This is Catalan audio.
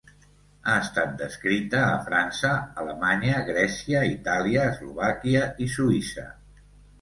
Ha estat descrita a França, Alemanya, Grècia, Itàlia, Eslovàquia i Suïssa.